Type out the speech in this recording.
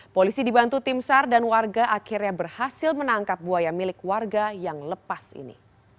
polisi dibantu tim sar dan warga akhirnya berhasil menangkap buaya milik warga yang lepas ini